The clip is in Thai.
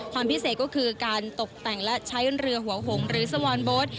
พิเศษก็คือการตกแต่งและใช้เรือหัวหงหรือสวอนโบ๊ท